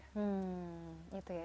hmm itu ya